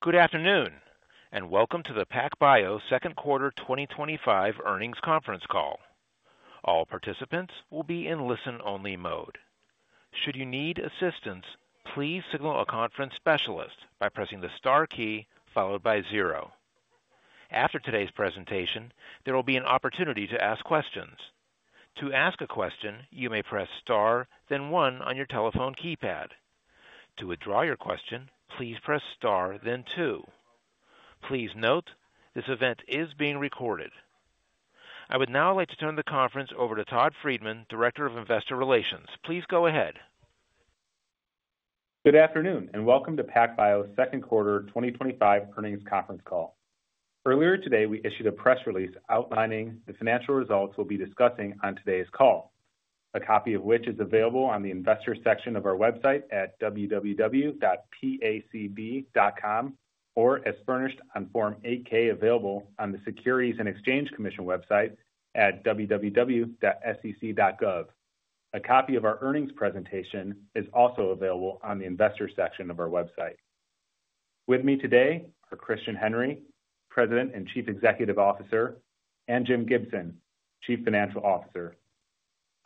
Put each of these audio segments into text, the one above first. Good afternoon and welcome to the PacBio Second Quarter 2025 Earnings Conference Call. All participants will be in listen-only mode. Should you need assistance, please signal a conference specialist by pressing the star key followed by zero. After today's presentation, there will be an opportunity to ask questions. To ask a question, you may press star, then one on your telephone keypad. To withdraw your question, please press STAR, then two. Please note, this event is being recorded. I would now like to turn the conference over to Todd Friedman, Director of Investor Relations. Please go ahead. Good afternoon and welcome to PacBio's Second Quarter 2025 Earnings Conference Call. Earlier today, we issued a press release outlining the financial results we'll be discussing on today's call, a copy of which is available on the Investors section of our website at www.pacb.com or as furnished on Form 8-K available on the Securities and Exchange Commission website at www.sec.gov. A copy of our earnings presentation is also available on the Investors section of our website. With me today are Christian Henry, President and Chief Executive Officer, and Jim Gibson, Chief Financial Officer.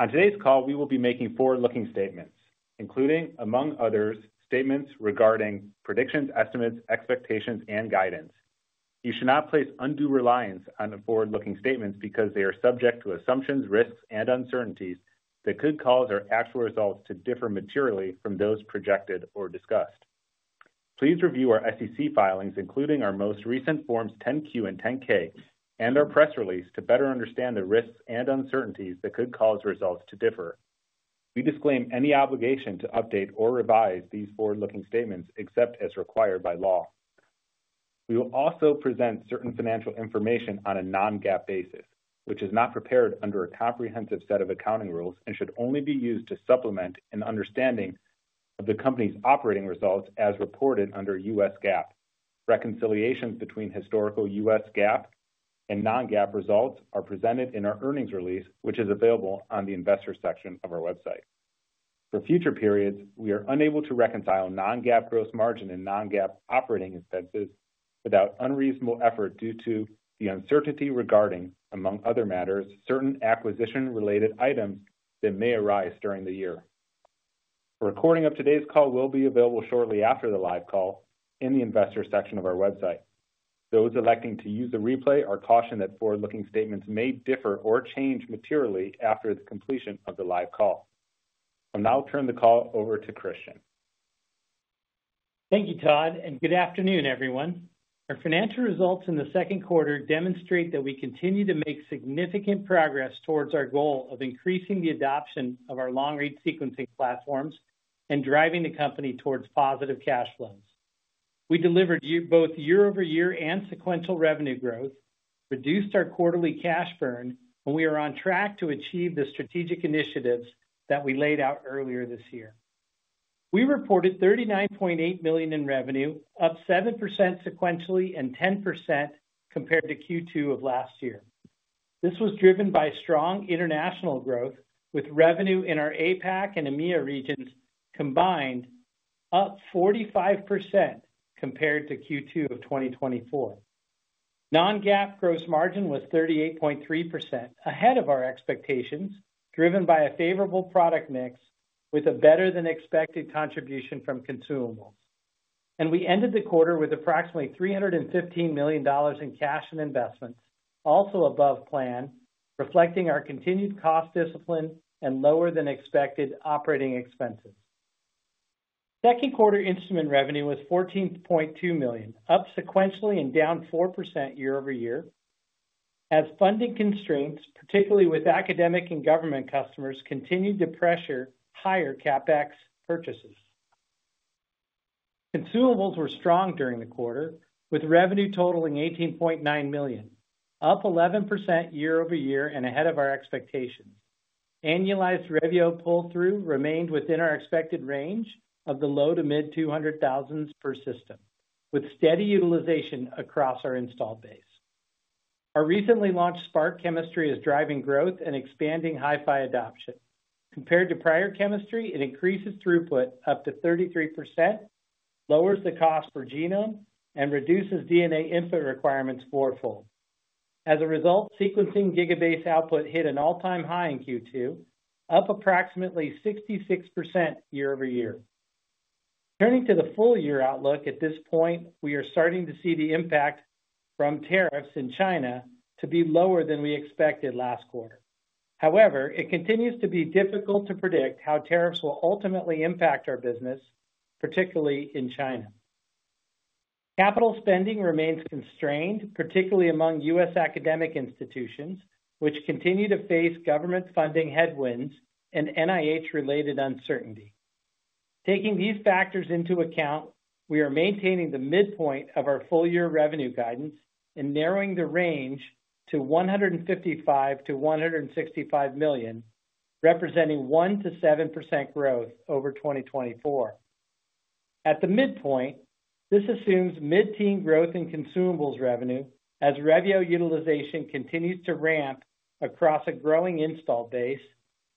On today's call, we will be making forward-looking statements, including, among others, statements regarding predictions, estimates, expectations, and guidance. You should not place undue reliance on the forward-looking statements because they are subject to assumptions, risks, and uncertainties that could cause our actual results to differ materially from those projected or discussed. Please review our SEC filings, including our most recent Forms 10-Q and 10-K, and our press release to better understand the risks and uncertainties that could cause results to differ. We disclaim any obligation to update or revise these forward-looking statements except as required by law. We will also present certain financial information on a non-GAAP basis, which is not prepared under a comprehensive set of accounting rules and should only be used to supplement an understanding of the company's operating results as reported under U.S. GAAP. Reconciliations between historical U.S. GAAP and non-GAAP results are presented in our earnings release, which is available on the Investors section of our website. For future periods, we are unable to reconcile non-GAAP gross margin and non-GAAP operating expenses without unreasonable effort due to the uncertainty regarding, among other matters, certain acquisition-related items that may arise during the year. A recording of today's call will be available shortly after the live call in the Investors Section of our website. Those electing to use the replay are cautioned that forward-looking statements may differ or change materially after the completion of the live call. I'll now turn the call over to Christian. Thank you, Todd, and good afternoon, everyone. Our financial results in the second quarter demonstrate that we continue to make significant progress towards our goal of increasing the adoption of our long-read sequencing platforms and driving the company towards positive cash flows. We delivered both year-over-year and sequential revenue growth, reduced our quarterly cash burn, and we are on track to achieve the strategic initiatives that we laid out earlier this year. We reported $39.8 million in revenue, up 7% sequentially and 10% compared to Q2 of last year. This was driven by strong international growth, with revenue in our APAC and EMEA regions combined up 45% compared to Q2 of 2024. Non-GAAP gross margin was 38.3%, ahead of our expectations, driven by a favorable product mix with a better-than-expected contribution from consumables. We ended the quarter with approximately $315 million in cash and investment, also above plan, reflecting our continued cost discipline and lower-than-expected operating expenses. Second quarter instrument revenue was $14.2 million, up sequentially and down 4% year-over-year, as funding constraints, particularly with academic and government customers, continued to pressure higher CapEx purchases. Consumables were strong during the quarter, with revenue totaling $18.9 million, up 11% year-over-year and ahead of our expectations. Annualized revenue pull-through remained within our expected range of the low to mid-200,000s per system, with steady utilization across our installed base. Our recently launched Spark chemistry is driving growth and expanding Hi-Fi adoption. Compared to prior chemistry, it increases throughput up to 33%, lowers the cost per genome, and reduces DNA input requirements fourfold. As a result, sequencing gigabase output hit an all-time high in Q2, up approximately 66% year-over-year. Turning to the full-year outlook, at this point, we are starting to see the impact from tariffs in China to be lower than we expected last quarter. However, it continues to be difficult to predict how tariffs will ultimately impact our business, particularly in China. Capital spending remains constrained, particularly among U.S. academic institutions, which continue to face government funding headwinds and NIH-related uncertainty. Taking these factors into account, we are maintaining the midpoint of our full-year revenue guidance and narrowing the range to $155 miilion-$165 million, representing 1%-7% growth over 2024. At the midpoint, this assumes mid-teens growth in consumables revenue, as revenue utilization continues to ramp across a growing installed base,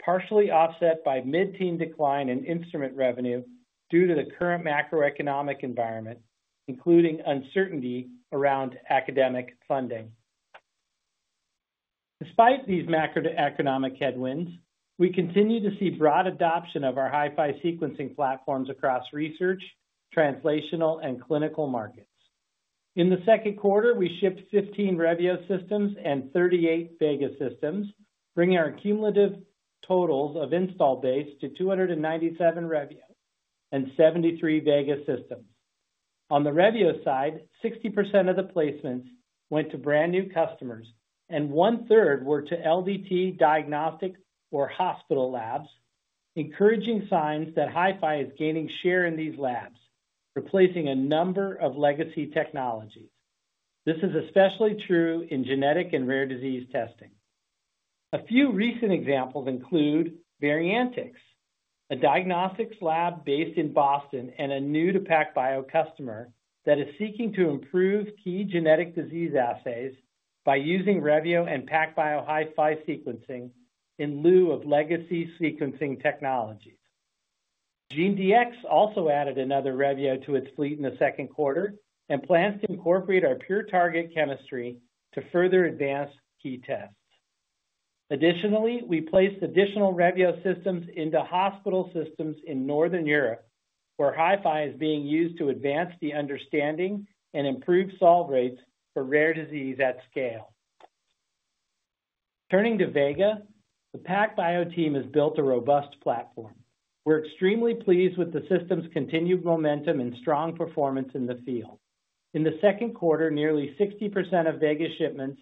partially offset by mid-teens decline in instrument revenue due to the current macroeconomic environment, including uncertainty around academic funding. Despite these macroeconomic headwinds, we continue to see broad adoption of our Hi-Fi sequencing platforms across research, translational, and clinical markets. In the second quarter, we shipped 15 Revio systems and 38 Vega systems, bringing our cumulative totals of installed base to 297 Revio and 73 Vega systems. On the Revio side, 60% of the placements went to brand new customers, and 1/3 were to LDT diagnostic or hospital labs, encouraging signs that Hi-Fi is gaining share in these labs, replacing a number of legacy technologies. This is especially true in genetic and rare disease testing. A few recent examples include Variantyx, a diagnostics lab based in Boston and a new to PacBio customer that is seeking to improve key genetic disease assays by using Revio and PacBio Hi-Fi sequencing in lieu of legacy sequencing technologies. GeneDx also added another Revio to its fleet in the second quarter and plans to incorporate our pure target panels to further advance key tests. Additionally, we placed additional Revio systems into hospital systems in Northern Europe, where Hi-Fi is being used to advance the understanding and improve solve rates for rare disease at scale. Turning to Vega, the PacBio team has built a robust platform. We're extremely pleased with the system's continued momentum and strong performance in the field. In the second quarter, nearly 60% of Vega shipments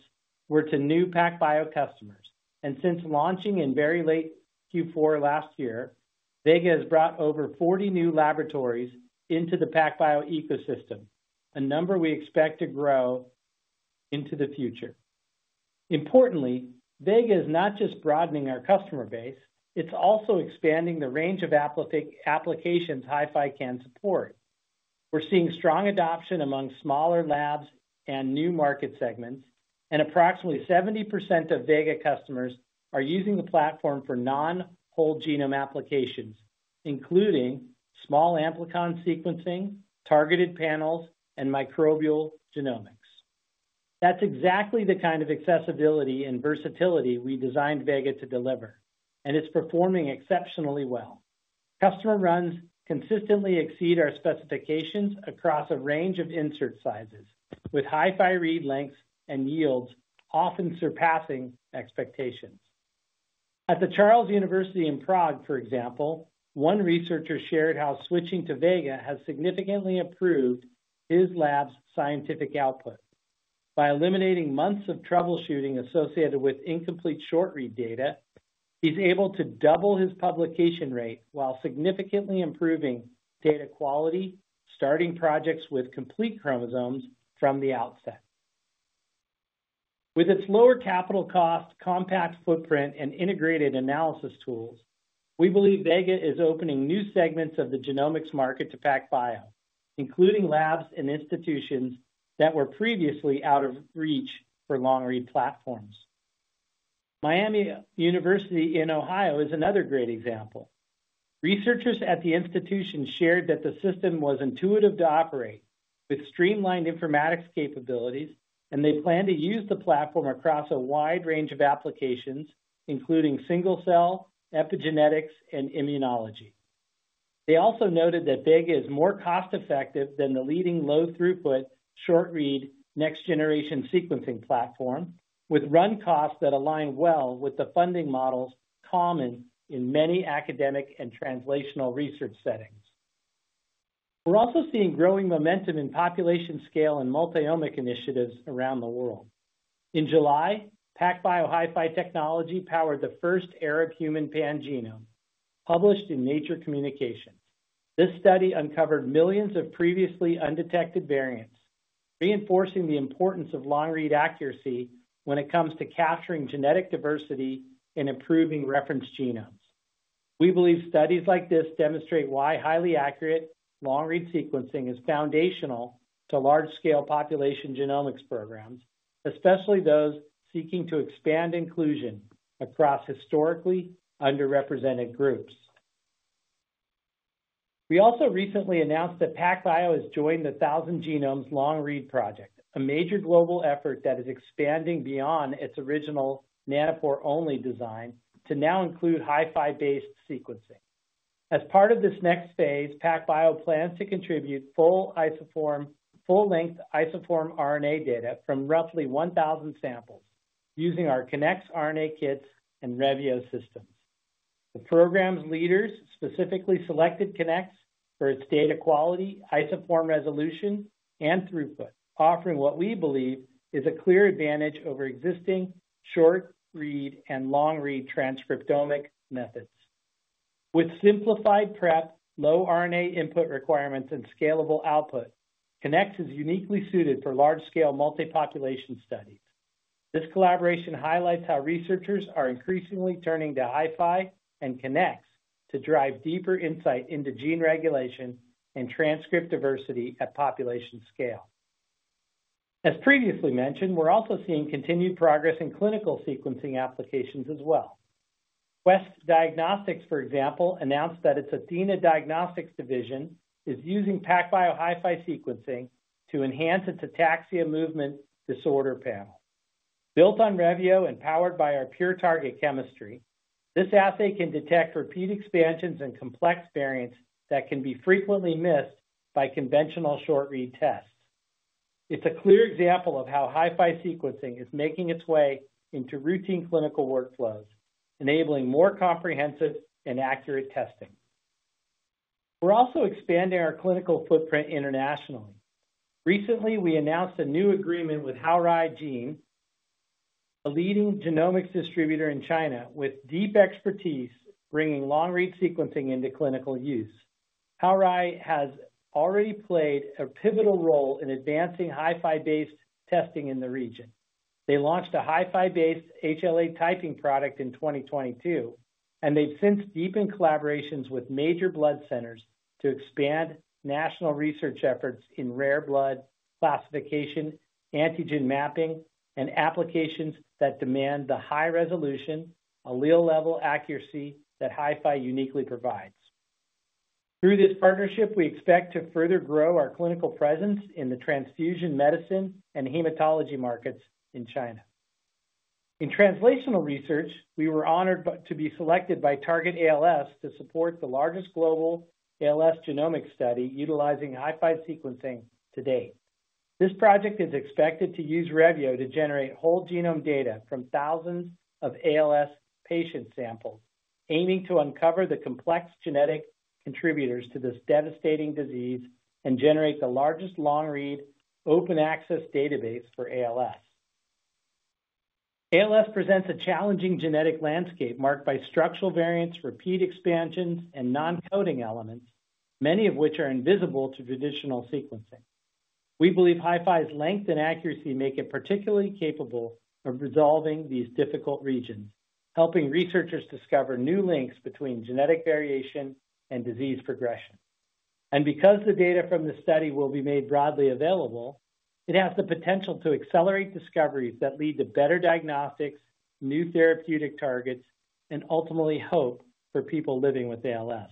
were to new PacBio customers, and since launching in very late Q4 last year, Vega has brought over 40 new laboratories into the PacBio ecosystem, a number we expect to grow into the future. Importantly, Vega is not just broadening our customer base; it's also expanding the range of applications Hi-Fi can support. We're seeing strong adoption among smaller labs and new market segments, and approximately 70% of Vega customers are using the platform for non-whole genome applications, including small amplicon sequencing, targeted panels, and microbial genomics. That's exactly the kind of accessibility and versatility we designed Vega to deliver, and it's performing exceptionally well. Customer runs consistently exceed our specifications across a range of insert sizes, with Hi-Fi read lengths and yields often surpassing expectations. At the Charles University in Prague, for example, one researcher shared how switching to Vega has significantly improved his lab's scientific output. By eliminating months of troubleshooting associated with incomplete short-read data, he's able to double his publication rate while significantly improving data quality, starting projects with complete chromosomes from the outset. With its lower capital cost, compact footprint, and integrated analysis tools, we believe Vega is opening new segments of the genomics market to PacBio, including labs and institutions that were previously out of reach for long-read platforms. Miami University in Ohio is another great example. Researchers at the institution shared that the system was intuitive to operate, with streamlined informatics capabilities, and they plan to use the platform across a wide range of applications, including single-cell epigenetics and immunology. They also noted that Vega is more cost-effective than the leading low-throughput short-read next-generation sequencing platform, with run costs that align well with the funding models common in many academic and translational research settings. We're also seeing growing momentum in population-scale and multi-omic initiatives around the world. In July, PacBio Hi-Fi technology powered the first Arab human pan-genome, published in Nature Communication. This study uncovered millions of previously undetected variants, reinforcing the importance of long-read accuracy when it comes to capturing genetic diversity and improving reference genomes. We believe studies like this demonstrate why highly accurate long-read sequencing is foundational to large-scale population genomics programs, especially those seeking to expand inclusion across historically underrepresented groups. We also recently announced that PacBio has joined the Thousand Genomes Long-Read Project, a major global effort that is expanding beyond its original Nanopore-only design to now include Hi-Fi-based sequencing. As part of this next phase, PacBio plans to contribute full-length isoform RNA data from roughly 1,000 samples using our Kinnex RNA kits and Revio systems. The program's leaders specifically selected Kinnex for its data quality, isoform resolution, and throughput, offering what we believe is a clear advantage over existing short-read and long-read transcriptomic methods. With simplified prep, low RNA input requirements, and scalable output, Kinnex is uniquely suited for large-scale multi-population studies. This collaboration highlights how researchers are increasingly turning to Hi-Fi and Kinnex to drive deeper insight into gene regulation and transcript diversity at population scale. As previously mentioned, we're also seeing continued progress in clinical sequencing applications as well. Quest Diagnostics, for example, announced that its Athena Diagnostics Division is using PacBio Hi-Fi sequencing to enhance its ataxia movement disorder panel. Built on Revio and powered by our pure target chemistry, this assay can detect repeat expansions and complex variants that can be frequently missed by conventional short-read tests. It's a clear example of how Hi-Fi sequencing is making its way into routine clinical workflows, enabling more comprehensive and accurate testing. We're also expanding our clinical footprint internationally. Recently, we announced a new agreement with Haorui Gene, a leading genomics distributor in China, with deep expertise bringing long-read sequencing into clinical use. Haorai has already played a pivotal role in advancing Hi-Fi-based testing in the region. They launched a Hi-Fi-based HLA typing product in 2022, and they've since deepened collaborations with major blood centers to expand national research efforts in rare blood classification, antigen mapping, and applications that demand the high-resolution allele-level accuracy that Hi-Fi uniquely provides. Through this partnership, we expect to further grow our clinical presence in the transfusion medicine and hematology markets in China. In translational research, we were honored to be selected by Target ALS to support the largest global ALS genomic study utilizing Hi-Fi sequencing to date. This project is expected to use Revio to generate whole genome data from thousands of ALS patient samples, aiming to uncover the complex genetic contributors to this devastating disease and generate the largest long-read open-access database for ALS. ALS presents a challenging genetic landscape marked by structural variants, repeat expansions, and non-coding elements, many of which are invisible to traditional sequencing. We believe Hi-Fi's length and accuracy make it particularly capable of resolving these difficult regions, helping researchers discover new links between genetic variation and disease progression. Because the data from the study will be made broadly available, it has the potential to accelerate discoveries that lead to better diagnostics, new therapeutic targets, and ultimately hope for people living with ALS.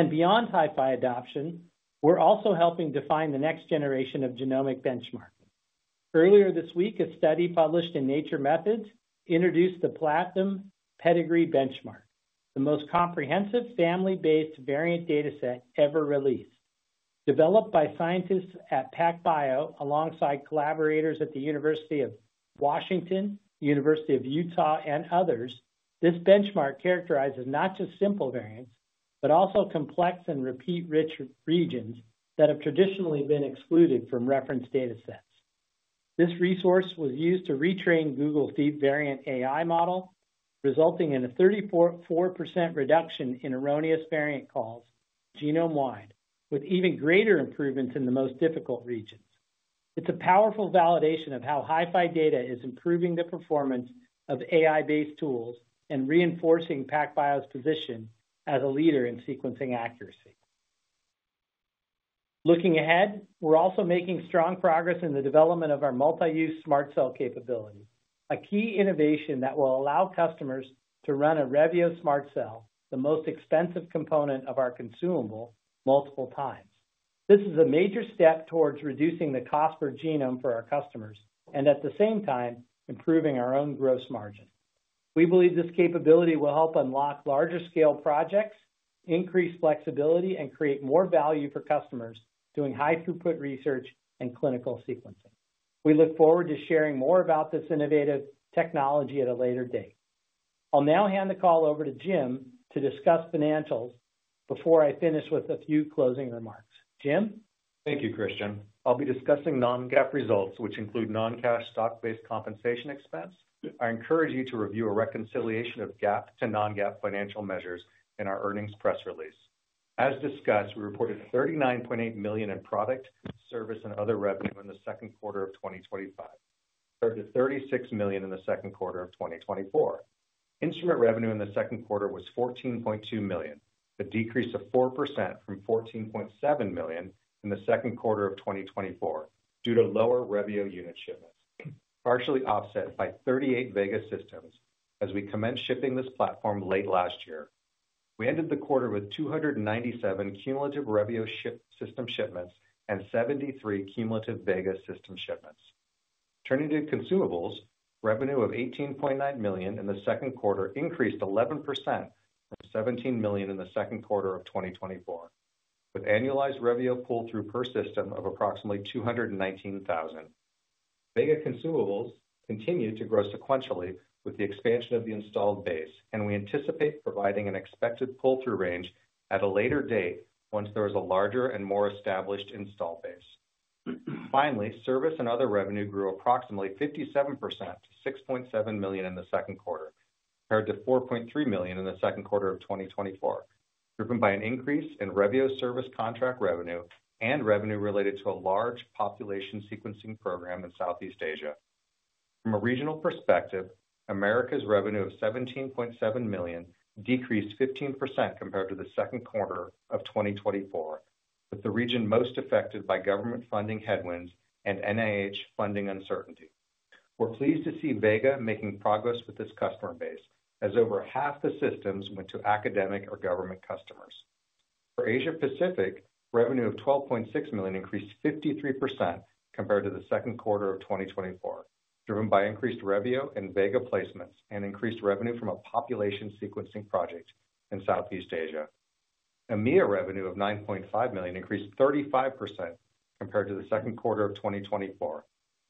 Beyond Hi-Fi adoption, we're also helping define the next generation of genomic benchmark. Earlier this week, a study published in Nature Methods introduced the Platinum Pedigree Benchmark, the most comprehensive family-based variant dataset ever released. Developed by scientists at PacBio of California alongside collaborators at the University of Washington, University of Utah, and others, this benchmark characterizes not just simple variants, but also complex and repeat-rich regions that have traditionally been excluded from reference datasets. This resource was used to retrain Google Fit variant AI model, resulting in a 34% reduction in erroneous variant calls genome-wide, with even greater improvements in the most difficult regions. It's a powerful validation of how Hi-Fi data is improving the performance of AI-based tools and reinforcing PacBio's of California's position as a leader in sequencing accuracy. Looking ahead, we're also making strong progress in the development of our multi-use SMRT Cell capability, a key innovation that will allow customers to run a Revio SMRT Cell, the most expensive component of our consumable, multiple times. This is a major step towards reducing the cost per genome for our customers and, at the same time, improving our own gross margin. We believe this capability will help unlock larger-scale projects, increase flexibility, and create more value for customers doing high-throughput research and clinical sequencing. We look forward to sharing more about this innovative technology at a later date. I'll now hand the call over to Jim to discuss financials before I finish with a few closing remarks. Jim? Thank you, Christian. I'll be discussing non-GAAP results, which include non-cash stock-based compensation expense. I encourage you to review a reconciliation of GAAP to non-GAAP financial measures in our earnings press release. As discussed, we reported $39.8 million in product, service, and other revenue in the second quarter of 2025, or $36 million in the second quarter of 2024. Instrument revenue in the second quarter was $14.2 million, a decrease of 4% from $14.7 million in the second quarter of 2024 due to lower Revio unit shipments, partially offset by 38 Vega systems as we commenced shipping this platform late last year. We ended the quarter with 297 cumulative Revio system shipments and 73 cumulative Vega system shipments. Alternative consumables revenue of $18.9 million in the second quarter increased 11% from $17 million in the second quarter of 2024, with annualized Revio pull-through per system of approximately $219,000. Vega consumables continued to grow sequentially with the expansion of the installed base, and we anticipate providing an expected pull-through range at a later date once there is a larger and more established installed base. Finally, service and other revenue grew approximately 57% to $6.7 million in the second quarter, compared to $4.3 million in the second quarter of 2024, driven by an increase in Revio service contract revenue and revenue related to a large population sequencing program in Southeast Asia. From a regional perspective, America's revenue of $17.7 million decreased 15% compared to the second quarter of 2024, with the region most affected by government funding headwinds and NIH funding uncertainty. We're pleased to see Vega making progress with this customer base, as over half the systems went to academic or government customers. For Asia-Pacific, revenue of $12.6 million increased 53% compared to the second quarter of 2024, driven by increased Revio and Vega placements and increased revenue from a population sequencing project in Southeast Asia. EMEA revenue of $9.5 million increased 35% compared to the second quarter of 2024.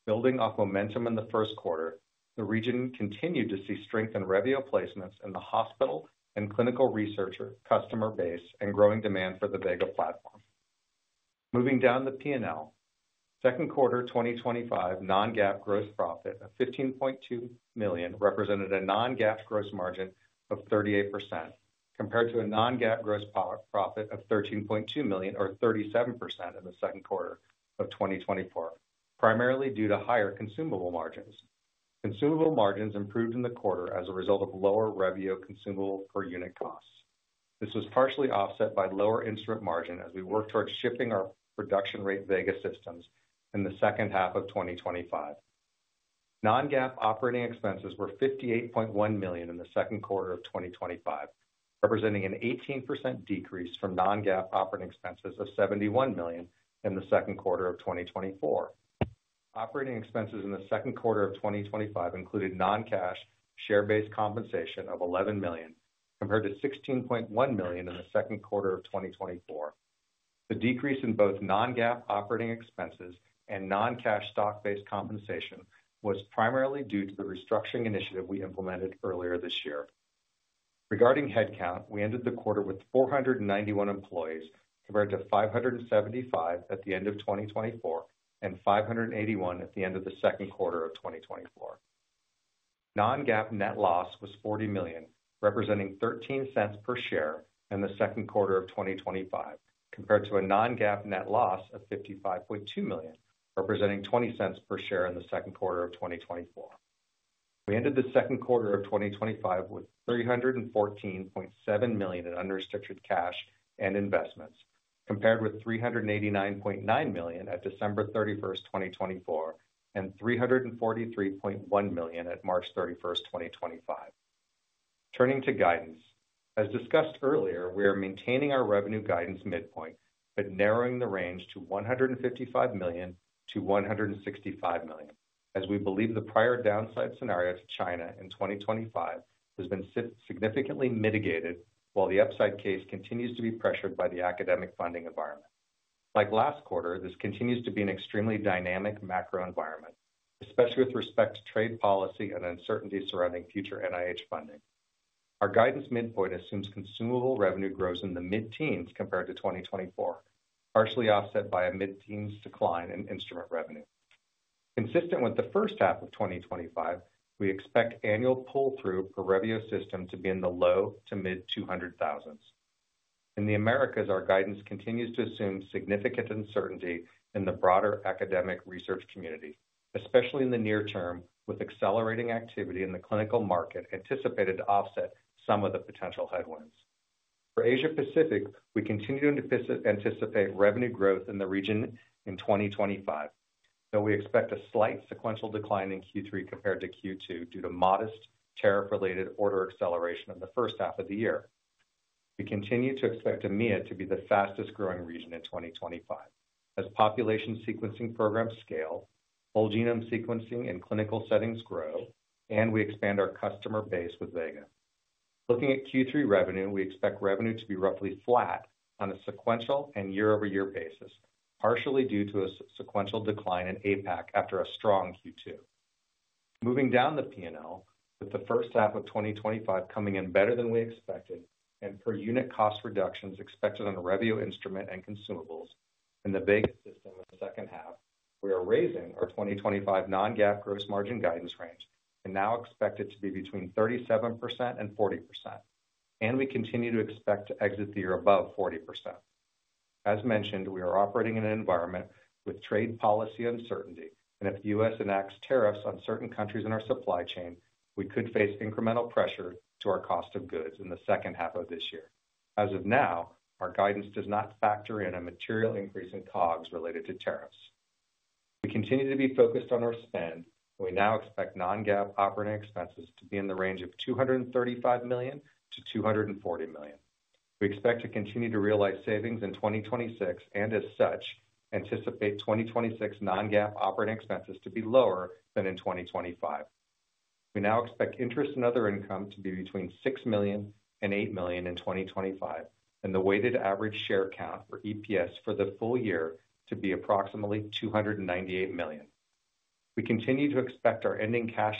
Building off momentum in the first quarter, the region continued to see strength in Revio placements in the hospital and clinical researcher customer base and growing demand for the Vega platform. Moving down the P&L, second quarter 2025 non-GAAP gross profit of $15.2 million represented a non-GAAP gross margin of 38% compared to a non-GAAP gross profit of $13.2 million or 37% in the second quarter of 2024, primarily due to higher consumable margins. Consumable margins improved in the quarter as a result of lower Revio consumable per unit costs. This was partially offset by lower instrument margin as we work towards shipping our production-rate Vega systems in the second half of 2025. Non-GAAP operating expenses were $58.1 million in the second quarter of 2025, representing an 18% decrease from non-GAAP operating expenses of $71 million in the second quarter of 2024. Operating expenses in the second quarter of 2025 included non-cash share-based compensation of $11 million compared to $16.1 million in the second quarter of 2024. The decrease in both non-GAAP operating expenses and non-cash stock-based compensation was primarily due to the restructuring initiative we implemented earlier this year. Regarding headcount, we ended the quarter with 491 employees compared to 575 at the end of 2024 and 581 at the end of the second quarter of 2024. Non-GAAP net loss was $40 million, representing $0.13 per share in the second quarter of 2025, compared to a non-GAAP net loss of $55.2 million, representing $0.20 per share in the second quarter of 2024. We ended the second quarter of 2025 with $314.7 million in unrestricted cash and investments, compared with $389.9 million at December 31, 2024, and $343.1 million at March 31, 2025. Turning to guidance, as discussed earlier, we are maintaining our revenue guidance midpoint, but narrowing the range to $155 million-$165 million, as we believe the prior downside scenario to China in 2025 has been significantly mitigated, while the upside case continues to be pressured by the academic funding environment. Like last quarter, this continues to be an extremely dynamic macro environment, especially with respect to trade policy and uncertainty surrounding future NIH funding. Our guidance midpoint assumes consumable revenue grows in the mid-teens compared to 2024, partially offset by a mid-teens decline in instrument revenue. Consistent with the first half of 2025, we expect annual pull-through per Revio system to be in the low to mid-200,000s. In the Americas, our guidance continues to assume significant uncertainty in the broader academic research community, especially in the near term, with accelerating activity in the clinical market anticipated to offset some of the potential headwinds. For Asia-Pacific, we continue to anticipate revenue growth in the region in 2025, though we expect a slight sequential decline in Q3 compared to Q2 due to modest tariff-related order acceleration in the first half of the year. We continue to expect EMEA to be the fastest growing region in 2025, as population sequencing programs scale, whole genome sequencing in clinical settings grow, and we expand our customer base with Vega. Looking at Q3 revenue, we expect revenue to be roughly flat on a sequential and year-over-year basis, partially due to a sequential decline in APAC after a strong Q2. Moving down the P&L, with the first half of 2025 coming in better than we expected, and per unit cost reductions expected on Revio instrument and consumables in the Vega system in the second half, we are raising our 2025 non-GAAP gross margin guidance range and now expect it to be between 37% and 40%, and we continue to expect to exit the year above 40%. As mentioned, we are operating in an environment with trade policy uncertainty, and if the U.S. enacts tariffs on certain countries in our supply chain, we could face incremental pressure to our cost of goods in the second half of this year. As of now, our guidance does not factor in a material increase in COGS related to tariffs. We continue to be focused on our spend, and we now expect non-GAAP operating expenses to be in the range of $235 million-$240 million. We expect to continue to realize savings in 2026, and as such, anticipate 2026 non-GAAP operating expenses to be lower than in 2025. We now expect interest and other income to be between $6 million and $8 million in 2025, and the weighted average share count or EPS for the full year to be approximately 298 million. We continue to expect our ending cash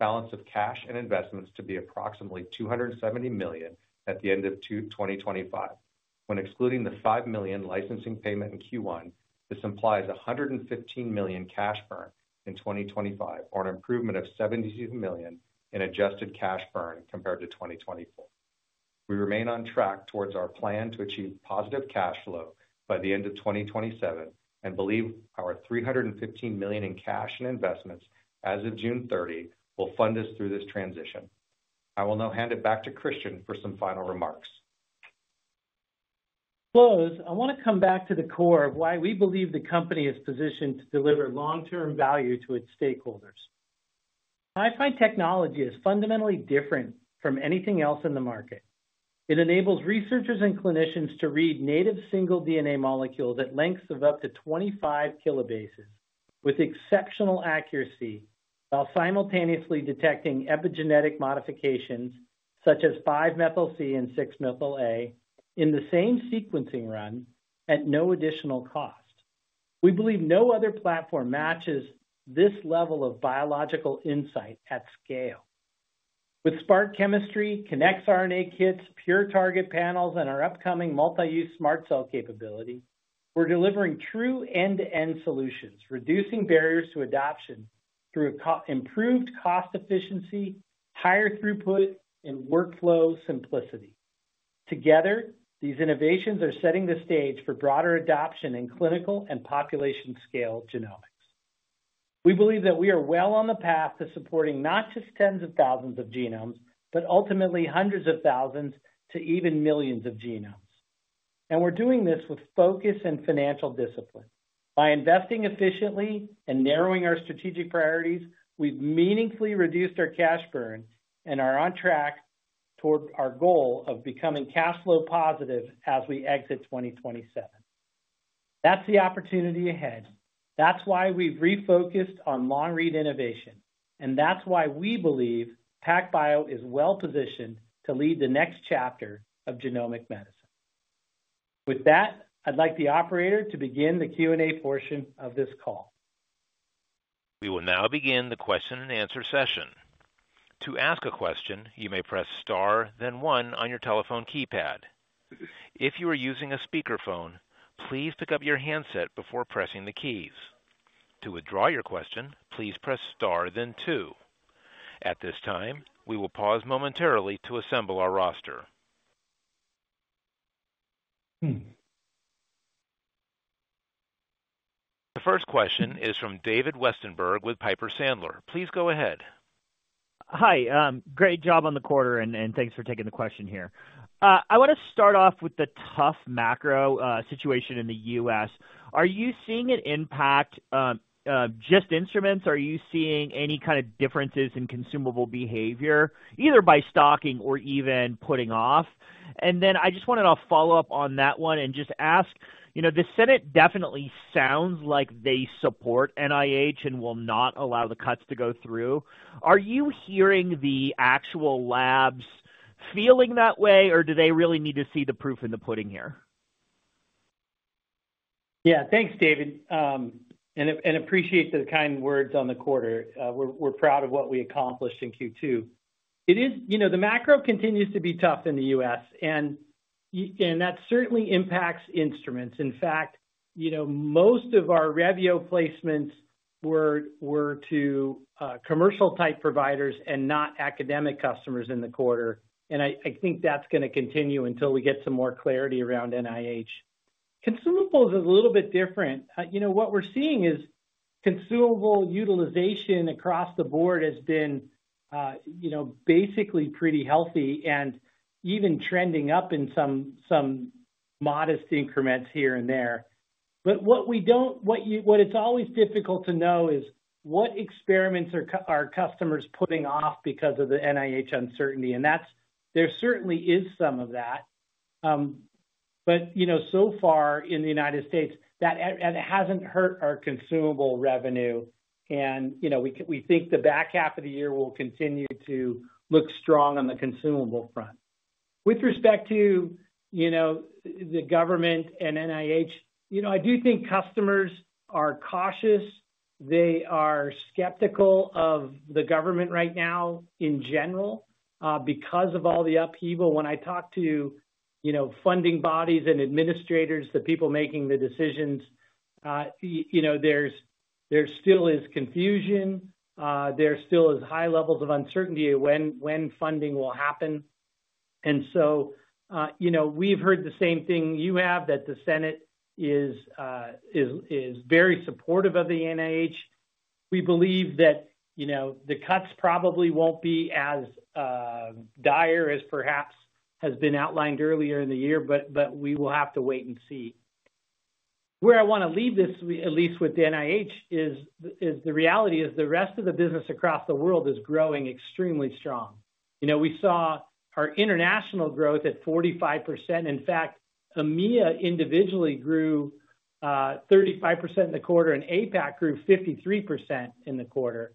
balance of cash and investments to be approximately $270 million at the end of 2025. When excluding the $5 million licensing payment in Q1, this implies $115 million cash burn in 2025, or an improvement of $72 million in adjusted cash burn compared to 2024. We remain on track towards our plan to achieve positive cash flow by the end of 2027 and believe our $315 million in cash and investments as of June 30 will fund us through this transition. I will now hand it back to Christian for some final remarks. To close, I want to come back to the core of why we believe the company is positioned to deliver long-term value to its stakeholders. Hi-Fi technology is fundamentally different from anything else in the market. It enables researchers and clinicians to read native single DNA molecules at lengths of up to 25 kilobases with exceptional accuracy, while simultaneously detecting epigenetic modifications such as 5-methyl-C and 6-methyl-A in the same sequencing run at no additional cost. We believe no other platform matches this level of biological insight at scale. With Spark chemistry, Kinnex RNA kits, pure target panels, and our upcoming multi-use SMRT Cell capability, we're delivering true end-to-end solutions, reducing barriers to adoption through improved cost efficiency, higher throughput, and workflow simplicity. Together, these innovations are setting the stage for broader adoption in clinical and population-scale genomics. We believe that we are well on the path to supporting not just tens of thousands of genomes, but ultimately hundreds of thousands to even millions of genomes. We're doing this with focus and financial discipline. By investing efficiently and narrowing our strategic priorities, we've meaningfully reduced our cash burn and are on track toward our goal of becoming cash flow positive as we exit 2027. That's the opportunity ahead. That's why we've refocused on long-read innovation, and that's why we believe PacBio is well positioned to lead the next chapter of genomic medicine. With that, I'd like the operator to begin the Q&A portion of this call. We will now begin the question-and-answer session. To ask a question, you may press star, then one on your telephone keypad. If you are using a speakerphone, please pick up your handset before pressing the keys. To withdraw your question, please press star, then two. At this time, we will pause momentarily to assemble our roster. The first question is from David Westenberg with Piper Sandler. Please go ahead. Hi, great job on the quarter, and thanks for taking the question here. I want to start off with the tough macro situation in the U.S. Are you seeing an impact of just instruments? Are you seeing any kind of differences in consumable behavior, either by stocking or even putting off? I just wanted to follow up on that one and just ask, you know, the Senate definitely sounds like they support NIH and will not allow the cuts to go through. Are you hearing the actual labs feeling that way, or do they really need to see the proof in the pudding here? Yeah, thanks, David, and appreciate the kind words on the quarter. We're proud of what we accomplished in Q2. It is, you know, the macro continues to be tough in the U.S., and that certainly impacts instruments. In fact, most of our Revio placements were to commercial-type providers and not academic customers in the quarter, and I think that's going to continue until we get some more clarity around NIH. Consumables is a little bit different. What we're seeing is consumable utilization across the board has been basically pretty healthy and even trending up in some modest increments here and there. What it's always difficult to know is what experiments are customers putting off because of the NIH uncertainty, and there certainly is some of that. So far in the United States, that hasn't hurt our consumable revenue, and we think the back half of the year will continue to look strong on the consumable front. With respect to the government and NIH, I do think customers are cautious. They are skeptical of the government right now in general, because of all the upheaval. When I talk to funding bodies and administrators, the people making the decisions, there still is confusion. There still is high levels of uncertainty when funding will happen. We've heard the same thing you have, that the Senate is very supportive of the NIH. We believe that the cuts probably won't be as dire as perhaps have been outlined earlier in the year, but we will have to wait and see. Where I want to leave this, at least with NIH, is the reality is the rest of the business across the world is growing extremely strong. We saw our international growth at 45%. In fact, EMEA individually grew 35% in the quarter, and APAC grew 53% in the quarter.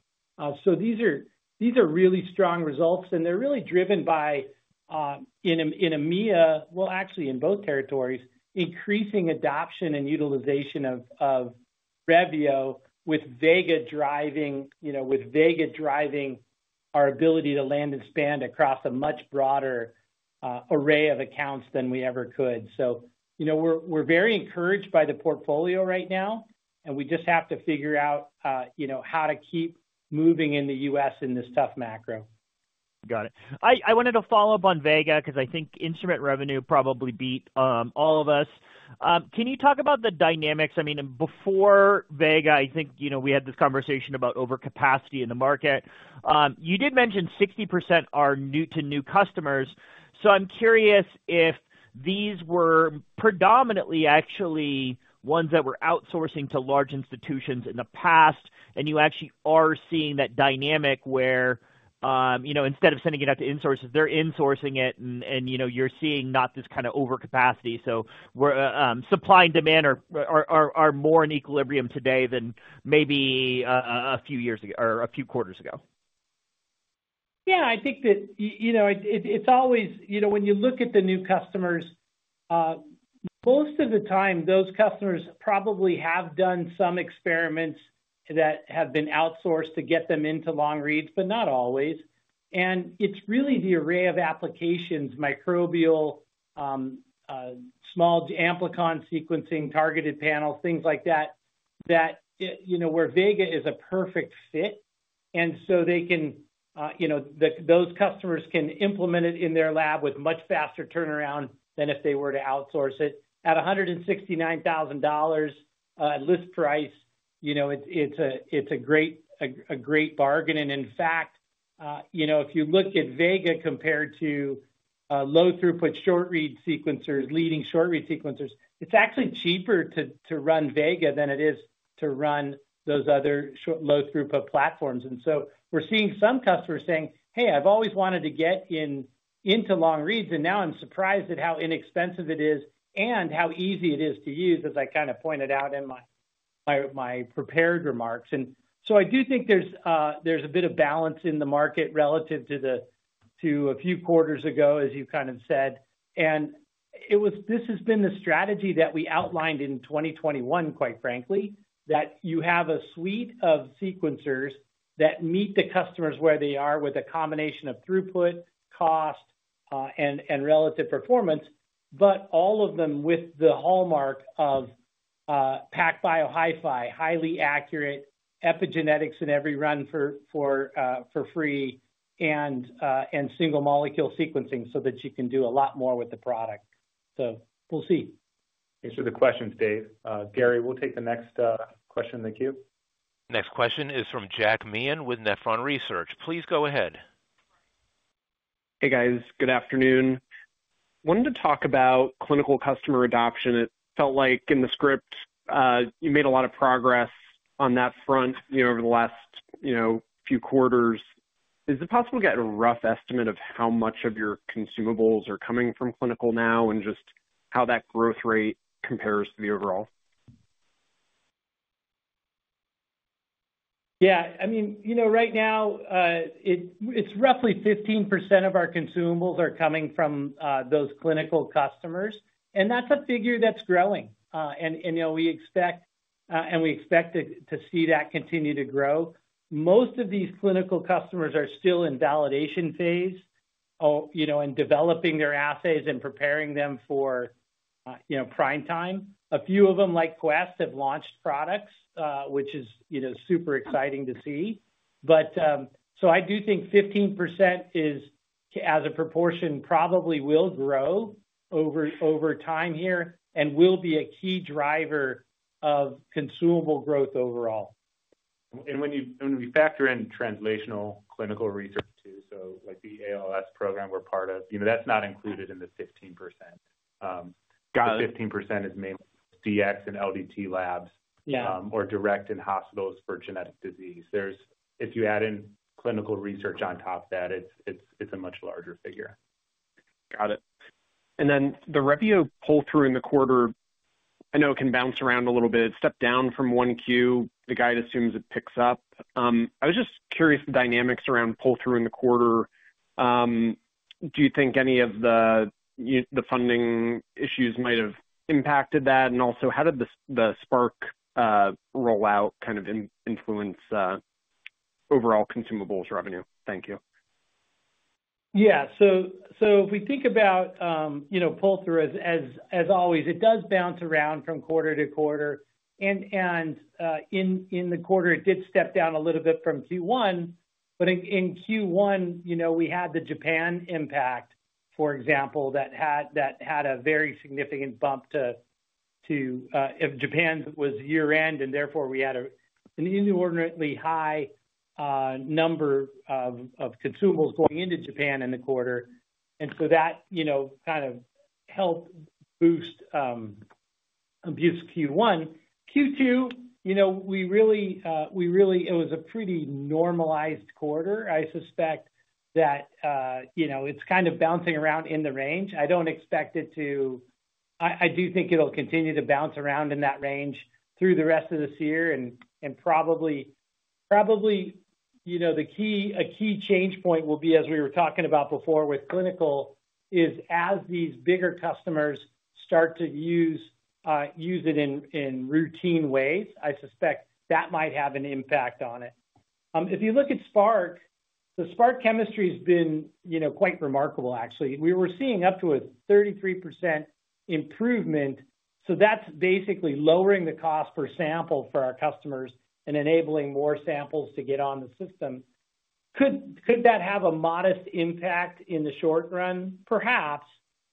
These are really strong results, and they're really driven by, in EMEA, well, actually in both territories, increasing adoption and utilization of Revio, with Vega driving our ability to land and expand across a much broader array of accounts than we ever could. We're very encouraged by the portfolio right now, and we just have to figure out how to keep moving in the U.S. in this tough macro. Got it. I wanted to follow up on Vega because I think instrument revenue probably beat all of us. Can you talk about the dynamics? Before Vega, I think we had this conversation about overcapacity in the market. You did mention 60% are new to new customers. I'm curious if these were predominantly actually ones that were outsourcing to large institutions in the past, and you actually are seeing that dynamic where instead of sending it out to insourcers, they're insourcing it, and you're seeing not this kind of overcapacity. Supply and demand are more in equilibrium today than maybe a few years ago or a few quarters ago. I think that, you know, it's always, you know, when you look at the new customers, most of the time those customers probably have done some experiments that have been outsourced to get them into long reads, but not always. It's really the array of applications, microbial, small amplicon sequencing, targeted panels, things like that, where Vega is a perfect fit. They can, you know, those customers can implement it in their lab with much faster turnaround than if they were to outsource it. At $169,000 at list price, it's a great bargain. In fact, if you look at Vega compared to low-throughput short-read sequencers, leading short-read sequencers, it's actually cheaper to run Vega than it is to run those other low-throughput platforms. We're seeing some customers saying, "Hey, I've always wanted to get into long reads, and now I'm surprised at how inexpensive it is and how easy it is to use," as I kind of pointed out in my prepared remarks. I do think there's a bit of balance in the market relative to a few quarters ago, as you kind of said. This has been the strategy that we outlined in 2021, quite frankly, that you have a suite of sequencers that meet the customers where they are with a combination of throughput, cost, and relative performance, but all of them with the hallmark of PacBio Hi-Fi, highly accurate epigenetics in every run for free and single molecule sequencing so that you can do a lot more with the product. We'll see. Thanks for the questions, Dave. Gary, we'll take the next question in the queue. Next question is from Jack Meehan with Nephron Research. Please go ahead. Hey guys, good afternoon. I wanted to talk about clinical customer adoption. It felt like in the script you made a lot of progress on that front over the last few quarters. Is it possible to get a rough estimate of how much of your consumables are coming from clinical now and just how that growth rate compares to the overall? Yeah, I mean, right now it's roughly 15% of our consumables are coming from those clinical customers, and that's a figure that's growing. We expect to see that continue to grow. Most of these clinical customers are still in validation phase, you know, and developing their assays and preparing them for, you know, prime time. A few of them, like Quest, have launched products, which is, you know, super exciting to see. I do think 15% is, as a proportion, probably will grow over time here and will be a key driver of consumable growth overall. When we factor in translational clinical research too, like the ALS program we're part of, that's not included in the 15%. Got it. 15% is mainly DX and LDT labs, or direct in hospitals for genetic disease. If you add in clinical research on top of that, it's a much larger figure. Got it. The Revio pull-through in the quarter, I know it can bounce around a little bit, stepped down from 1Q. The guide assumes it picks up. I was just curious about the dynamics around pull-through in the quarter. Do you think any of the funding issues might have impacted that? Also, how did the Spark rollout kind of influence overall consumables revenue? Thank you. Yeah, so if we think about, you know, pull-through, as always, it does bounce around from quarter to quarter. In the quarter, it did step down a little bit from Q1. In Q1, you know, we had the Japan impact, for example, that had a very significant bump to, if Japan was year-end, and therefore we had an inordinately high number of consumables going into Japan in the quarter. That, you know, kind of helped boost Q1. Q2, you know, we really, it was a pretty normalized quarter. I suspect that, you know, it's kind of bouncing around in the range. I don't expect it to, I do think it'll continue to bounce around in that range through the rest of this year. Probably, you know, a key change point will be, as we were talking about before with clinical, is as these bigger customers start to use it in routine ways, I suspect that might have an impact on it. If you look at Spark, the Spark chemistry has been, you know, quite remarkable, actually. We were seeing up to a 33% improvement. That's basically lowering the cost per sample for our customers and enabling more samples to get on the system. Could that have a modest impact in the short run? Perhaps.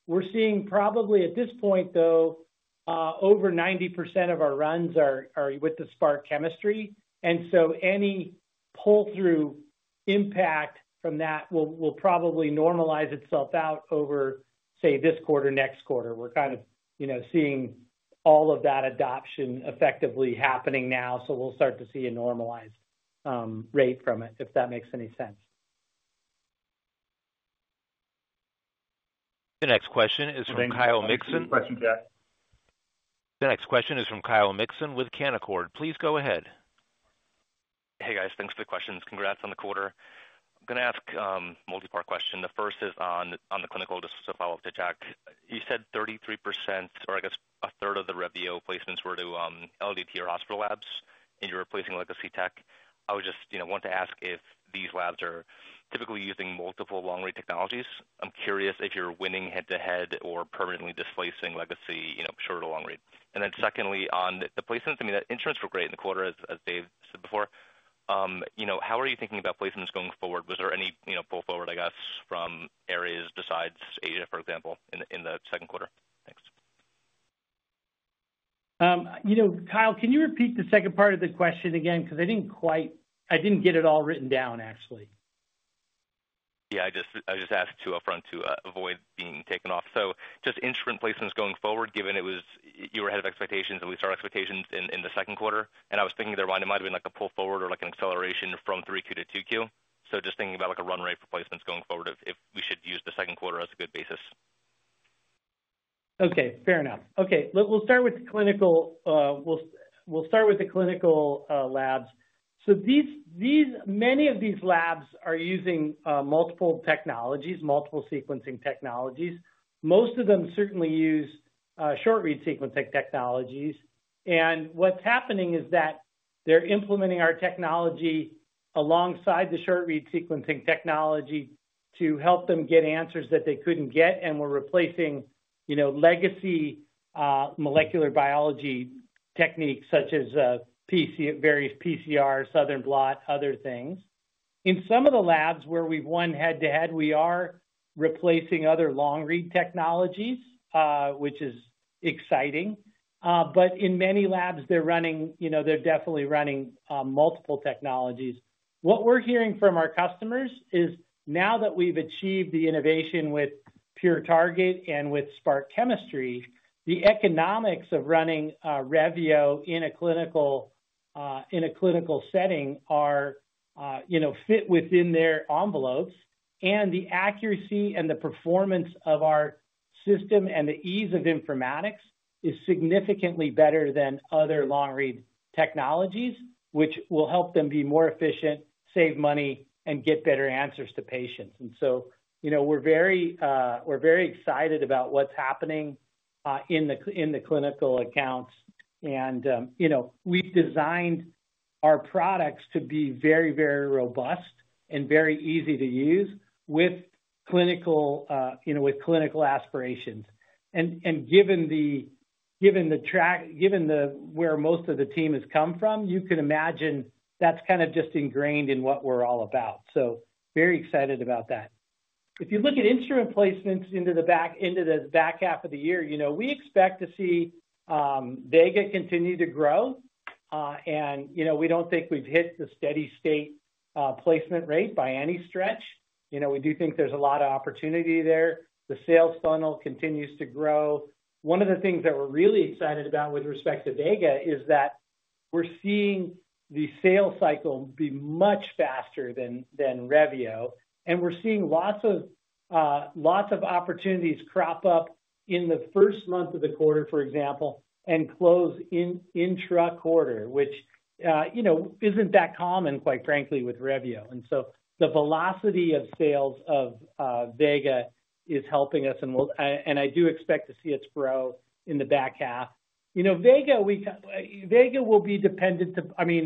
We're seeing probably at this point, though, over 90% of our runs are with the Spark chemistry. Any pull-through impact from that will probably normalize itself out over, say, this quarter, next quarter. We're kind of, you know, seeing all of that adoption effectively happening now. We'll start to see a normalized rate from it, if that makes any sense. The next question is from Kyle Mixon with Canaccord. Please go ahead. Hey guys, thanks for the questions. Congrats on the quarter. I'm going to ask a multi-part question. The first is on the clinical, just to follow up to Jack. You said 33%, or I guess 1/3 of the Revio placements were to LDT or hospital labs, and you're replacing legacy tech. I would just, you know, want to ask if these labs are typically using multiple long-read technologies. I'm curious if you're winning head-to-head or permanently displacing legacy, you know, shorter to long read. Then secondly, on the placements, I mean, the instruments were great in the quarter, as Dave said before. How are you thinking about placements going forward? Was there any, you know, pull forward, I guess, from areas besides Asia, for example, in the second quarter? Thanks. Kyle, can you repeat the second part of the question again? I didn't quite get it all written down, actually. I just asked upfront to avoid being taken off. Just instrument placements going forward, given it was, you were ahead of expectations, at least our expectations in the second quarter. I was thinking there might have been like a pull forward or like an acceleration from 3Q to 2Q. Just thinking about like a run rate for placements going forward, if we should use the second quarter as a good basis. Okay, fair enough. We'll start with clinical, we'll start with the clinical labs. Many of these labs are using multiple technologies, multiple sequencing technologies. Most of them certainly use short-read sequencing technologies. What's happening is that they're implementing our technology alongside the short-read sequencing technology to help them get answers that they couldn't get. We're replacing, you know, legacy molecular biology techniques such as various PCRs, Southern blot, other things. In some of the labs where we've won head-to-head, we are replacing other long-read technologies, which is exciting. In many labs, they're definitely running multiple technologies. What we're hearing from our customers is now that we've achieved the innovation with pure target and with Spark chemistry, the economics of running Revio in a clinical setting are, you know, fit within their envelopes. The accuracy and the performance of our system and the ease of informatics is significantly better than other long-read technologies, which will help them be more efficient, save money, and get better answers to patients. We're very excited about what's happening in the clinical accounts. We've designed our products to be very robust and very easy to use with clinical aspirations. Given the track, given where most of the team has come from, you can imagine that's kind of just ingrained in what we're all about. Very excited about that. If you look at instrument placements into the back half of the year, we expect to see Vega continue to grow. We don't think we've hit the steady-state placement rate by any stretch. We do think there's a lot of opportunity there. The sales funnel continues to grow. One of the things that we're really excited about with respect to Vega is that we're seeing the sales cycle be much faster than Revio. We're seeing lots of opportunities crop up in the first month of the quarter, for example, and close in intra-quarter, which isn't that common, quite frankly, with Revio. The velocity of sales of Vega is helping us, and I do expect to see it grow in the back half. Vega will be dependent to, I mean,